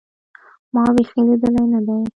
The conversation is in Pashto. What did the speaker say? ما بيخي ليدلى نه دى.